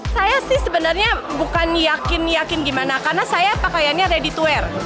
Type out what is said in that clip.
saya sih sebenarnya bukan yakin yakin gimana karena saya pakaiannya ready to wear